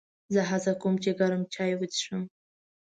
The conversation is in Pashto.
زه هڅه کوم چې ګرم چای وڅښم.